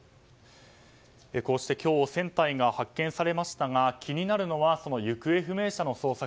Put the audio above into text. こうして今日船体が発見されましたが気になるのは行方不明者の捜索